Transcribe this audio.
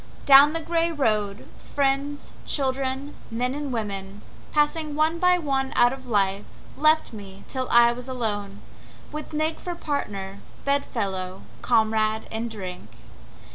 Down the gray road, friends, children, men and women, Passing one by one out of life, left me till I was alone With Nig for partner, bed fellow; comrade in drink.